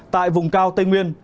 tại vùng cao tây nguyên